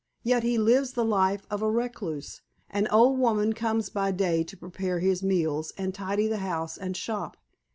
Yet he lives the life of a recluse. An old woman comes by day to prepare his meals, and tidy the house and shop.